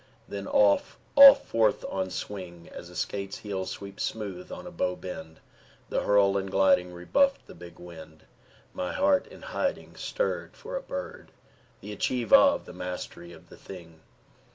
then off, off forth on swing, As a skate's heel sweeps smooth on a bow bend: the hurl and gliding Rebuffed the big wind. My heart in hiding Stirred for a bird, the achieve of, the mastery of the thing!